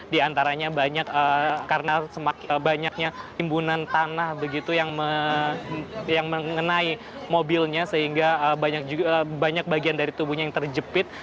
di antaranya banyak karena banyaknya timbunan tanah begitu yang mengenai mobilnya sehingga banyak bagian dari tubuhnya yang terjepit